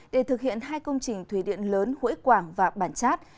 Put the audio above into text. để thực hiện hai công trình thủy điện lớn hội quảng và bản chát